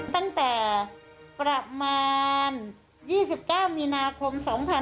ตั้งแต่ประมาณ๒๙มีนาคม๒๕๕๙